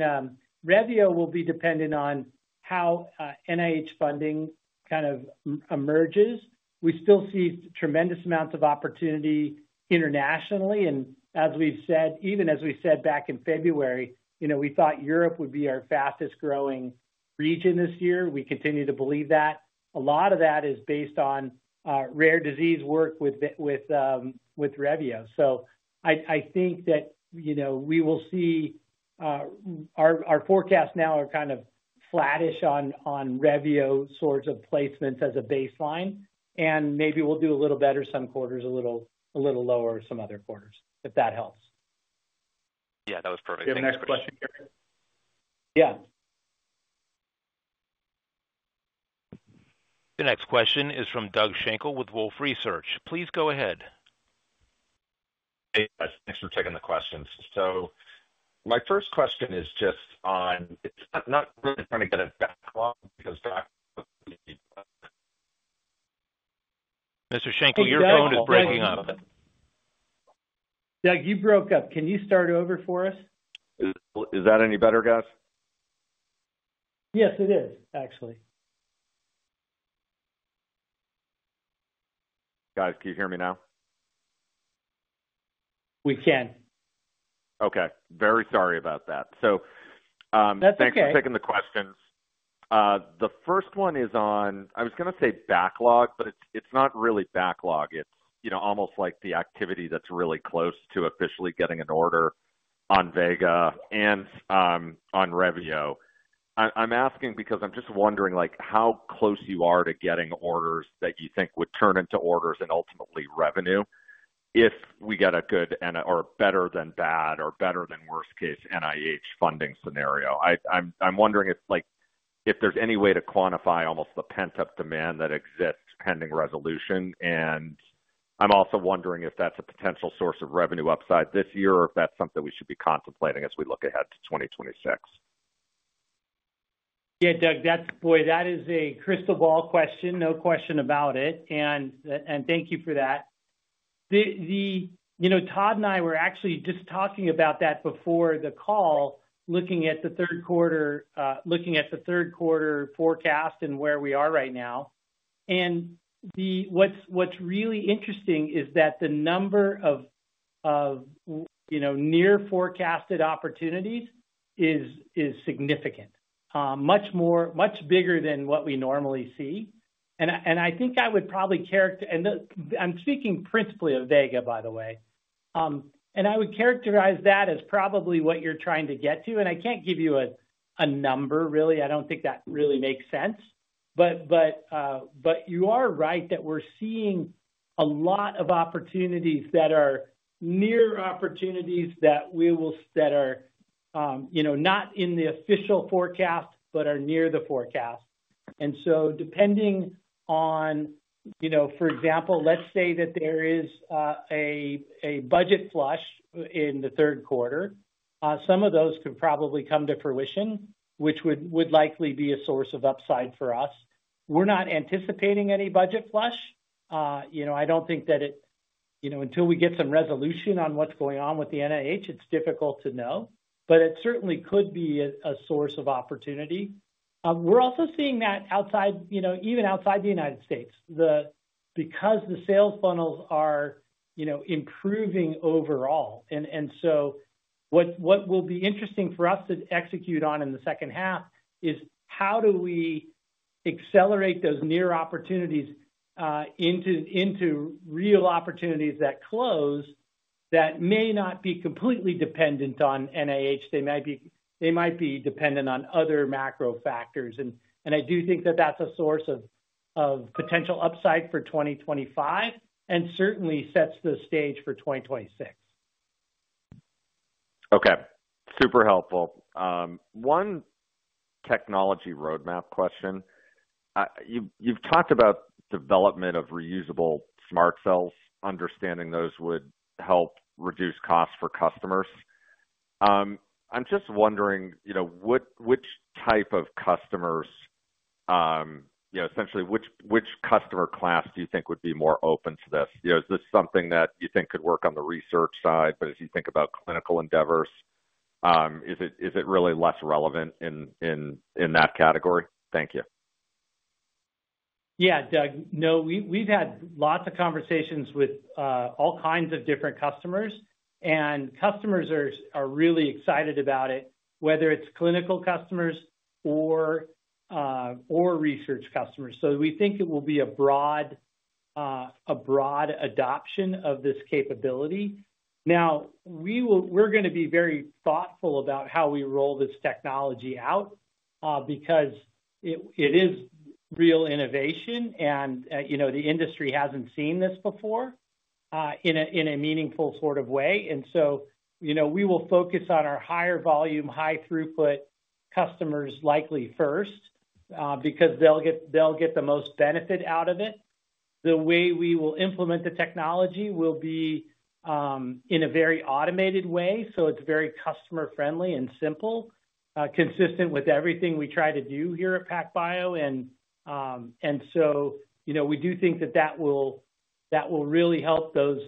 Revio will be dependent on how NIH funding kind of emerges. We still see tremendous amounts of opportunity internationally. As we've said, even as we said back in February, we thought Europe would be our fastest growing region this year. We continue to believe that. A lot of that is based on rare disease work with Revio. I think that we will see our forecasts now are kind of flattish on Revio sorts of placements as a baseline, and maybe we'll do a little better some quarters, a little lower some other quarters, if that helps. Yeah, that was perfect. We have a next question, Gary. Yeah. The next question is from Doug Schenkel with Wolfe Research. Please go ahead. Thanks for taking the questions. My first question is just on, it's not really turning that into backlog because Dr. Mr. Shankle, your phone is breaking up. Doug, you broke up. Can you start over for us? Is that any better, guys? Yes, it is, actually. Guys, can you hear me now? We can. Okay, very sorry about that. Thanks for taking the questions. The first one is on, I was going to say backlog, but it's not really backlog. It's almost like the activity that's really close to officially getting an order on Vega and on Revio. I'm asking because I'm just wondering how close you are to getting orders that you think would turn into orders and ultimately revenue if we get a good, or a better than bad, or better than worst case NIH funding scenario. I'm wondering if there's any way to quantify almost the pent-up demand that exists pending resolution. I'm also wondering if that's a potential source of revenue upside this year, or if that's something we should be contemplating as we look ahead to 2026. Yeah, Doug, that's, boy, that is a crystal ball question. No question about it. Thank you for that. Todd and I were actually just talking about that before the call, looking at the third quarter, looking at the third quarter forecast and where we are right now. What's really interesting is that the number of near forecasted opportunities is significant, much bigger than what we normally see. I think I would probably characterize, and I'm speaking principally of Vega, by the way, and I would characterize that as probably what you're trying to get to. I can't give you a number, really. I don't think that really makes sense. You are right that we're seeing a lot of opportunities that are near opportunities that are not in the official forecast, but are near the forecast. Depending on, for example, let's say that there is a budget flush in the third quarter, some of those could probably come to fruition, which would likely be a source of upside for us. We're not anticipating any budget flush. I don't think that it, until we get some resolution on what's going on with the NIH, it's difficult to know. It certainly could be a source of opportunity. We're also seeing that even outside the U.S., because the sales funnels are improving overall. What will be interesting for us to execute on in the second half is how do we accelerate those near opportunities into real opportunities that close that may not be completely dependent on NIH. They might be dependent on other macro factors. I do think that that's a source of potential upside for 2025 and certainly sets the stage for 2026. Okay, super helpful. One technology roadmap question. You've talked about development of reusable SMRT Cells, understanding those would help reduce costs for customers. I'm just wondering, you know, which type of customers, you know, essentially which customer class do you think would be more open to this? You know, is this something that you think could work on the research side, but as you think about clinical endeavors, is it really less relevant in that category? Thank you. Yeah, Doug, no, we've had lots of conversations with all kinds of different customers, and customers are really excited about it, whether it's clinical customers or research customers. We think it will be a broad adoption of this capability. Now, we're going to be very thoughtful about how we roll this technology out because it is real innovation, and you know, the industry hasn't seen this before in a meaningful sort of way. We will focus on our higher volume, high throughput customers likely first because they'll get the most benefit out of it. The way we will implement the technology will be in a very automated way, so it's very customer-friendly and simple, consistent with everything we try to do here at PacBio. We do think that that will really help those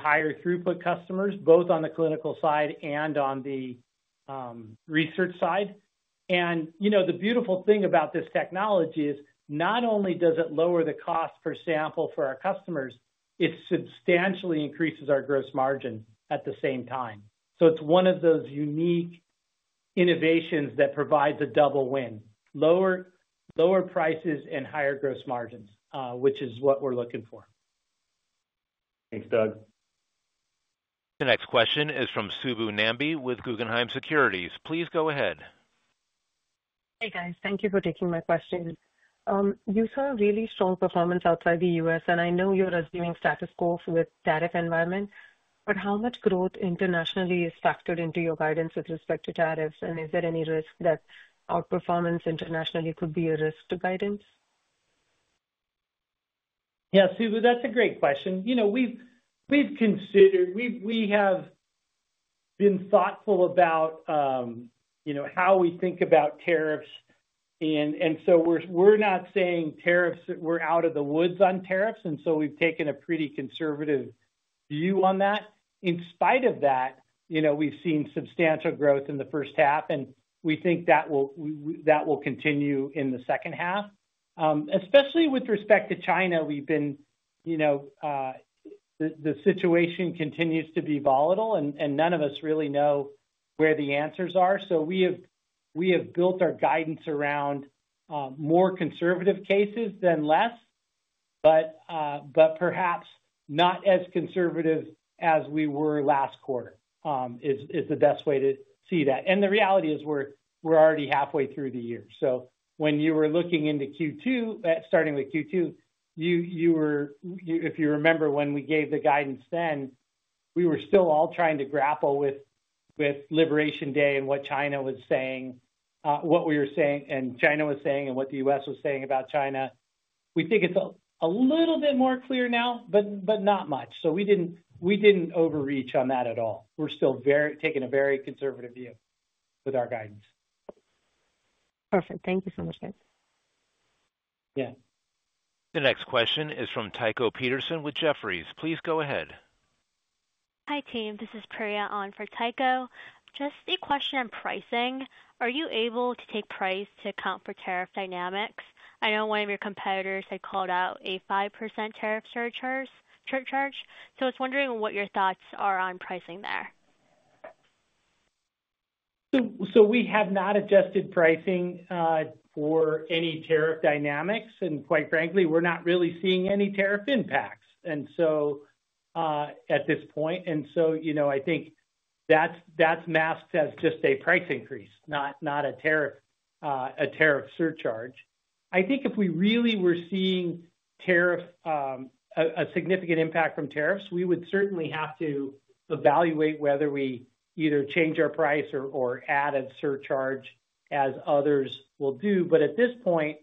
higher throughput customers, both on the clinical side and on the research side. The beautiful thing about this technology is not only does it lower the cost per sample for our customers, it substantially increases our gross margin at the same time. It's one of those unique innovations that provides a double win: lower prices and higher gross margins, which is what we're looking for. Thanks, Doug. The next question is from Subbu Nambi with Guggenheim Securities. Please go ahead. Hey guys, thank you for taking my question. You saw a really strong performance outside the U.S., and I know you're assuming status quo with the tariff environment, but how much growth internationally is factored into your guidance with respect to tariffs, and is there any risk that outperformance internationally could be a risk to guidance? Yeah, Subbu, that's a great question. We've considered, we have been thoughtful about how we think about tariffs. We're not saying tariffs, we're out of the woods on tariffs, and we've taken a pretty conservative view on that. In spite of that, we've seen substantial growth in the first half, and we think that will continue in the second half. Especially with respect to China, the situation continues to be volatile, and none of us really know where the answers are. We have built our guidance around more conservative cases than less, but perhaps not as conservative as we were last quarter is the best way to see that. The reality is we're already halfway through the year. When you were looking into Q2, starting with Q2, if you remember when we gave the guidance then, we were still all trying to grapple with Liberation Day and what China was saying, what we were saying, and China was saying, and what the U.S. was saying about China. We think it's a little bit more clear now, but not much. We didn't overreach on that at all. We're still taking a very conservative view with our guidance. Perfect. Thank you so much, guys. Yeah. The next question is from Tycho Peterson with Jefferies. Please go ahead. Hi team, this is Priya on for Tycho. Just a question on pricing. Are you able to take price to account for tariff dynamics? I know one of your competitors had called out a 5% tariff charge. I was wondering what your thoughts are on pricing there. We have not adjusted pricing for any tariff dynamics, and quite frankly, we're not really seeing any tariff impacts at this point. I think that's masked as just a price increase, not a tariff surcharge. I think if we really were seeing a significant impact from tariffs, we would certainly have to evaluate whether we either change our price or add a surcharge as others will do. At this point,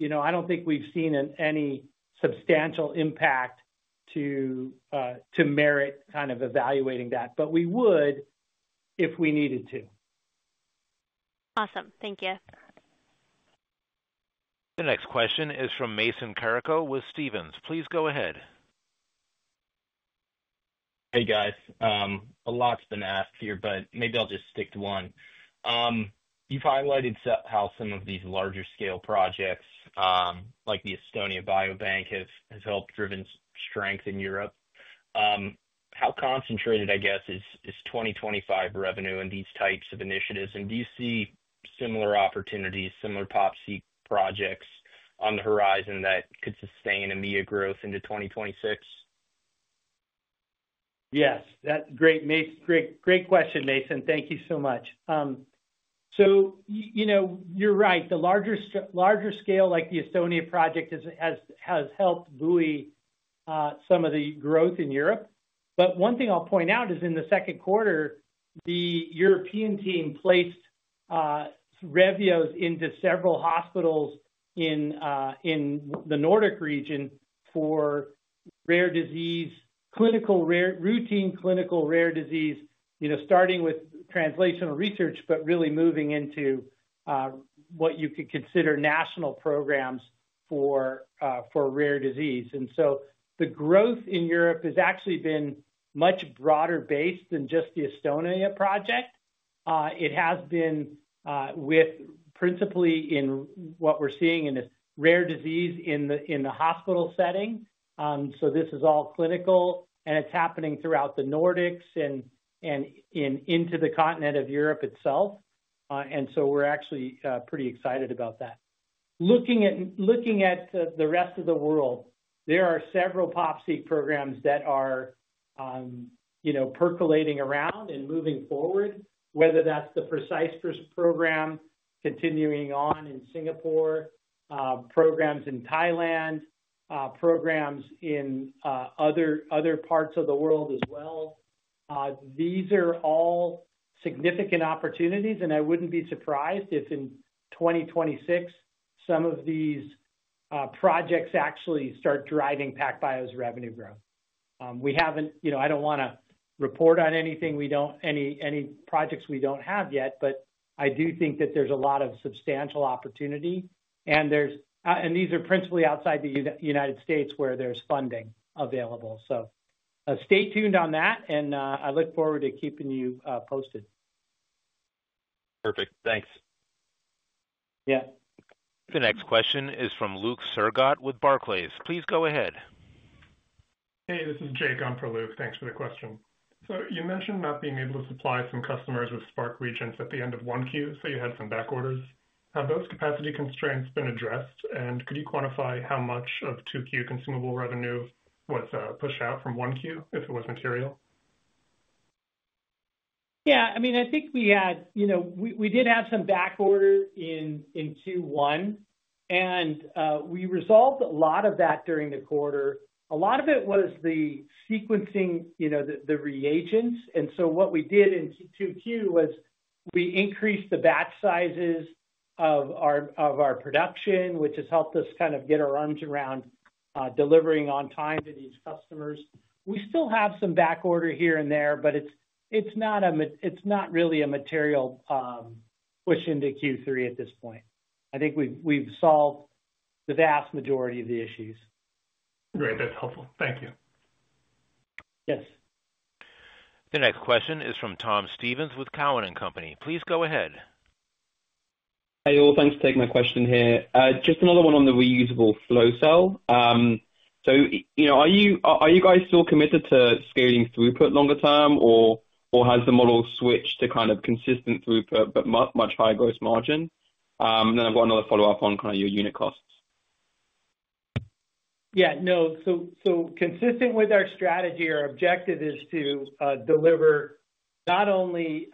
I don't think we've seen any substantial impact to merit kind of evaluating that. We would if we needed to. Awesome. Thank you. The next question is from Mason Carrico with Stephens. Please go ahead. Hey guys, a lot's been asked here, but maybe I'll just stick to one. You've highlighted how some of these larger scale projects, like the Estonia Biobank, have helped drive strength in Europe. How concentrated, I guess, is 2025 revenue in these types of initiatives? Do you see similar opportunities, similar population-scale projects on the horizon that could sustain EMEA growth into 2026? Yes, that's a great question, Mason. Thank you so much. You know, you're right. The larger scale, like the Estonia project, has helped buoy some of the growth in Europe. One thing I'll point out is in the second quarter, the European team placed Revio's into several hospitals in the Nordic region for rare disease, routine clinical rare disease, starting with translational research, but really moving into what you could consider national programs for rare disease. The growth in Europe has actually been much broader based than just the Estonia project. It has been principally in what we're seeing in rare disease in the hospital setting. This is all clinical, and it's happening throughout the Nordics and into the continent of Europe itself. We're actually pretty excited about that. Looking at the rest of the world, there are several population-scale genomics programs that are percolating around and moving forward, whether that's the Precise Program continuing on in Singapore, programs in Thailand, programs in other parts of the world as well. These are all significant opportunities, and I wouldn't be surprised if in 2026 some of these projects actually start driving PacBio's of California's revenue growth. We haven't, I don't want to report on anything, any projects we don't have yet, but I do think that there's a lot of substantial opportunity, and these are principally outside the U.S. where there's funding available. Stay tuned on that, and I look forward to keeping you posted. Perfect, thanks. Yeah. The next question is from Luke Sergott with Barclays. Please go ahead. Hey, this is Jake. on for Luke. Thanks for the question. You mentioned not being able to supply some customers with Spark chemistry at the end of 1Q, so you had some backorders. Have those capacity constraints been addressed, and could you quantify how much of 2Q consumable revenue was pushed out from 1Q if it was material? I think we had some backorder in Q1, and we resolved a lot of that during the quarter. A lot of it was the sequencing reagents. In 2Q, we increased the batch sizes of our production, which has helped us get our arms around delivering on time to these customers. We still have some backorder here and there, but it's not really a material push into Q3 at this point. I think we've solved the vast majority of the issues. Great, that's helpful. Thank you. Yes. The next question is from Tom Stevens with Cowen and Company. Please go ahead. Thanks for taking my question here. Just another one on the reusable flow cell. Are you guys still committed to scaling throughput longer term, or has the model switched to kind of consistent throughput but much higher gross margin? I've got another follow-up on kind of your unit costs. Yeah, no, so consistent with our strategy, our objective is to deliver not only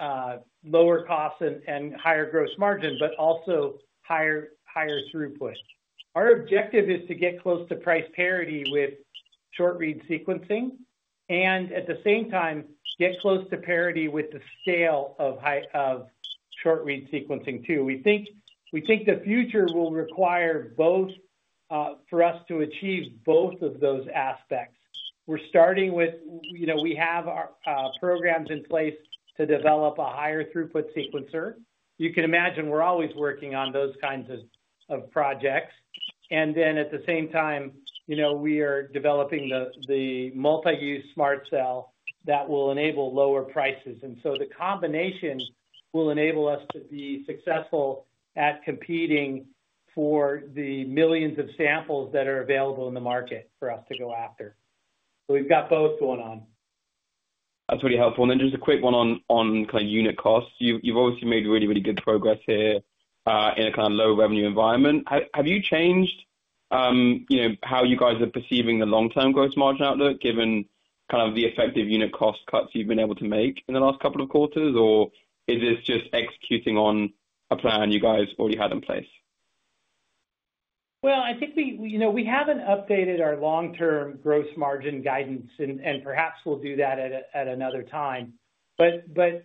lower costs and higher gross margin, but also higher throughput. Our objective is to get close to price parity with short-read sequencing, and at the same time, get close to parity with the scale of short-read sequencing too. We think the future will require both for us to achieve both of those aspects. We're starting with, you know, we have our programs in place to develop a higher throughput sequencer. You can imagine we're always working on those kinds of projects. At the same time, you know, we are developing the multi-use SMRT Cell that will enable lower prices. The combination will enable us to be successful at competing for the millions of samples that are available in the market for us to go after. We've got both going on. That's pretty helpful. Just a quick one on kind of unit costs. You've obviously made really, really good progress here in a kind of low revenue environment. Have you changed how you guys are perceiving the long-term gross margin outlook, given the effective unit cost cuts you've been able to make in the last couple of quarters, or is this just executing on a plan you guys already had in place? I think we haven't updated our long-term gross margin guidance, and perhaps we'll do that at another time. Of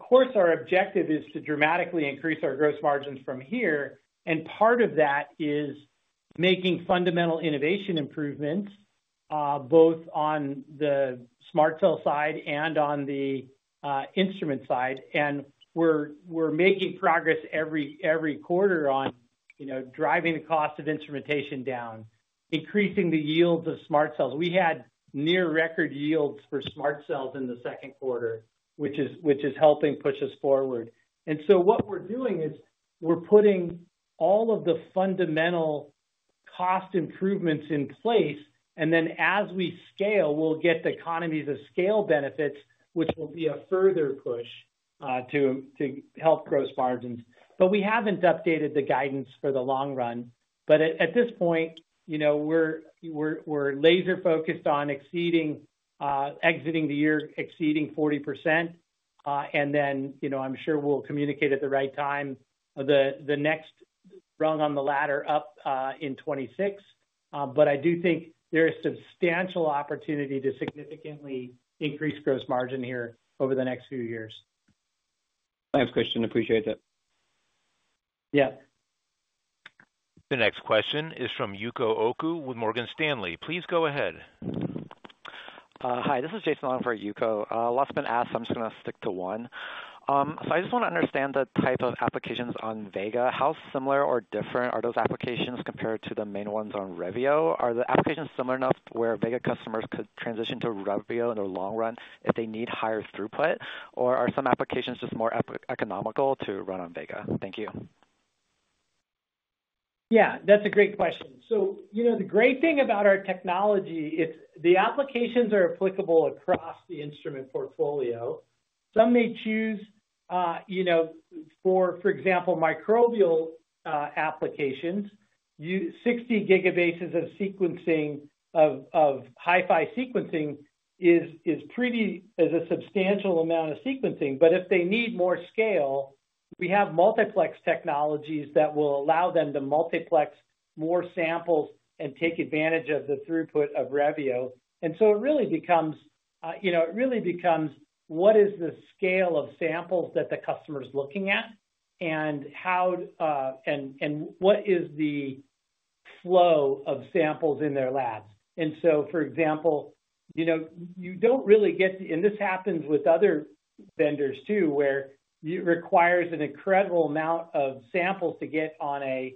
course, our objective is to dramatically increase our gross margins from here, and part of that is making fundamental innovation improvements, both on the SMRT Cell side and on the instrument side. We're making progress every quarter on driving the cost of instrumentation down and increasing the yields of SMRT Cells. We had near record yields for SMRT Cells in the second quarter, which is helping push us forward. What we're doing is putting all of the fundamental cost improvements in place, and as we scale, we'll get the economy to scale benefits, which will be a further push to help gross margins. We haven't updated the guidance for the long run. At this point, we're laser-focused on exceeding the year, exceeding 40%. I'm sure we'll communicate at the right time the next rung on the ladder up in 2026. I do think there is substantial opportunity to significantly increase gross margin here over the next few years. Thanks, Christian. Appreciate that. Yeah. The next question is from Yuko Oku with Morgan Stanley. Please go ahead. Hi, this is Jason Longlet for Yuko. Lots have been asked, so I'm just going to stick to one. I just want to understand the type of applications on Vega. How similar or different are those applications compared to the main ones on Revio? Are the applications similar enough where Vega customers could transition to Revio in their long run if they need higher throughput, or are some applications just more economical to run on Vega? Thank you. Yeah, that's a great question. The great thing about our technology is the applications are applicable across the instrument portfolio. Some may choose, for example, microbial applications. You 60 gigabases of sequencing, of Hi-Fi sequencing, is a substantial amount of sequencing. If they need more scale, we have multiplex technologies that will allow them to multiplex more samples and take advantage of the throughput of Revio. It really becomes what is the scale of samples that the customer is looking at and what is the flow of samples in their labs. For example, you don't really get the, and this happens with other vendors too, where it requires an incredible amount of samples to get on a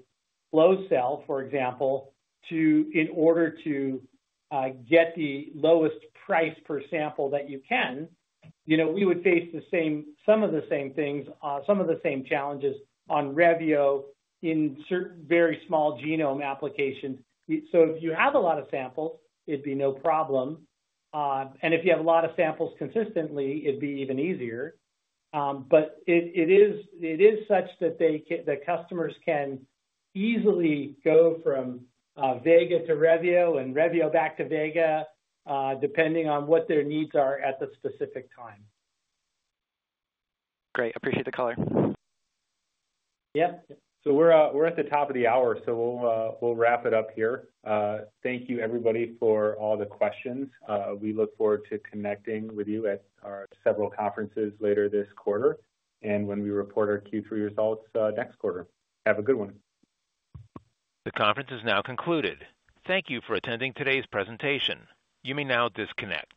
flow cell, for example, in order to get the lowest price per sample that you can. We would face some of the same things, some of the same challenges on Revio in very small genome applications. If you have a lot of samples, it'd be no problem. If you have a lot of samples consistently, it'd be even easier. It is such that the customers can easily go from Vega to Revio and Revio back to Vega, depending on what their needs are at that specific time. Great, I appreciate the color. Yeah. We are at the top of the hour, so we'll wrap it up here. Thank you, everybody, for all the questions. We look forward to connecting with you at our several conferences later this quarter and when we report our Q3 results next quarter. Have a good one. The conference is now concluded. Thank you for attending today's presentation. You may now disconnect.